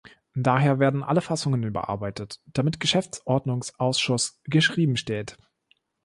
Daher werden alle Fassungen überarbeitet, damit "Geschäftsordnungsausschuss" geschrieben steht.